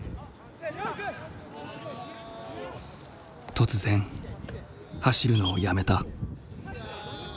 突然走るのをやめた。